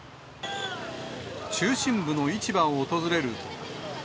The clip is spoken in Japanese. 中心部の市場を訪れると。